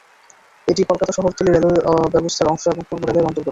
এটি কলকাতা শহরতলি রেলওয়ে ব্যবস্থার অংশ এবং পূর্ব রেলের অন্তর্গত।